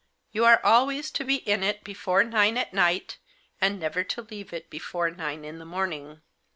You are always to be in it before nine at night, and never to leave it before nine in the morning."